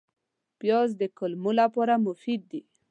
پیاز د کولمو لپاره مفید دی